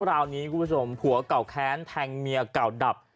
ราวนี้คุณผู้ชมผัวเก่าแค้นแทงเมียเก่าดับ